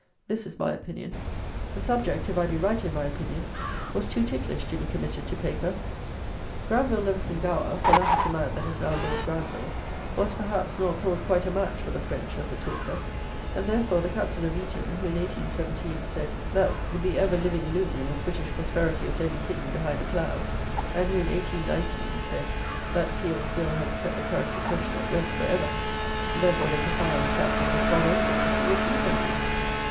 This is my opinion. The subject, if I be right in my opinion, was too ticklish to be committed to paper: Granville Levison Gower (for that is the man that is now Lord Granville) was, perhaps, not thought quite a match for the French as a talker; and, therefore, the Captain of Eton, who, in 1817, said, that the "ever living luminary of British prosperity was only hidden behind a cloud;" and who, in 1819, said, that "Peel's Bill had set the currency question at rest for ever;" therefore the profound Captain is gone over to see what he can do.